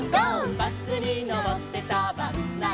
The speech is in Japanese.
「バスにのってサバンナへ」